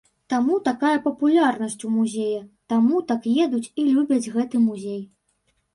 Таму такая папулярнасць у музея, таму так едуць і любяць гэты музей.